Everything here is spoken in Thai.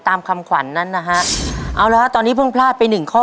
ตามคำขวัญนั้นนะฮะเอาละฮะตอนนี้เพิ่งพลาดไปหนึ่งข้อ